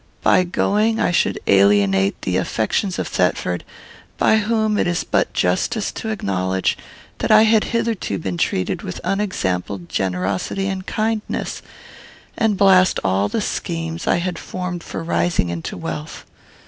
By going, I should alienate the affections of Thetford; by whom, it is but justice to acknowledge, that I had hitherto been treated with unexampled generosity and kindness; and blast all the schemes I had formed for rising into wealth.